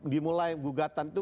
dimulai gugatan itu